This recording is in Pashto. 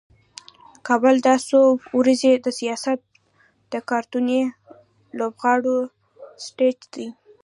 کابل دا څو ورځې د سیاست د کارتوني لوبغاړو سټیج دی.